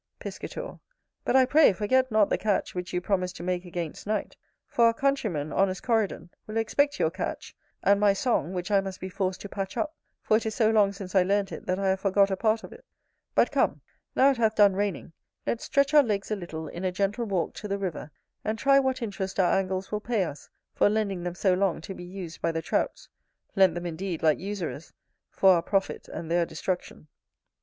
Piscator. But, I pray, forget not the catch which you promised to make against night; for our countryman, honest Coridon, will expect your catch, and my song, which I must be forced to patch up, for it is so long since I learnt it, that I have forgot a part of it. But, come, now it hath done raining, let's stretch our legs a little in a gentle walk to the river, and try what interest our angles will pay us for lending them so long to be used by the Trouts; lent them indeed, like usurers, for our profit and their destruction.